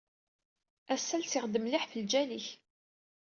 Ass-a lsiɣ-d mliḥ ɣef lǧal-ik.